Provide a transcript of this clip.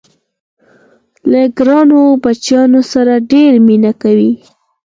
له ګرانو بچیانو سره ډېره مینه کوي.